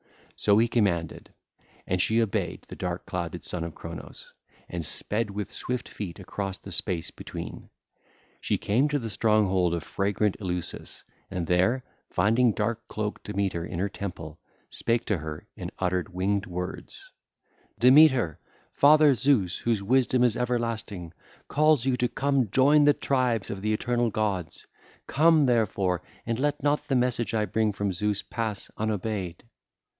So he commanded. And she obeyed the dark clouded Son of Cronos, and sped with swift feet across the space between. She came to the stronghold of fragrant Eleusis, and there finding dark cloaked Demeter in her temple, spake to her and uttered winged words: (ll. 321 323) 'Demeter, father Zeus, whose wisdom is everlasting, calls you to come join the tribes of the eternal gods: come therefore, and let not the message I bring from Zeus pass unobeyed.